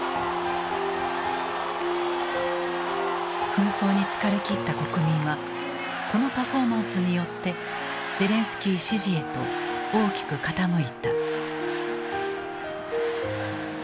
紛争に疲れきった国民はこのパフォーマンスによってゼレンスキー支持へと大きく傾いた。